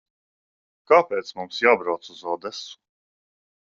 Kāpēc mums jābrauc uz Odesu?